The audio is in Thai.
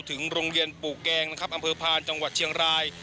ถึงโรงเรียนปู่แกงนะครับอำเภอพานจังหวัดเชียงราย